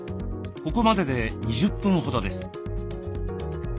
ここまでで２０分ほどです。